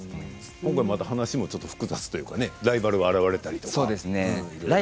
今回、話が複雑というかライバルが現れたり。